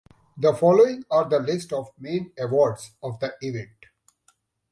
The following are the list of main awards of the event.